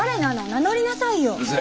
名乗りなさいよ。